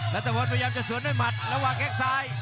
รัฐพนธ์ก็ย้ำจะสวนด้วยมัดระหว่างแค่ซ้าย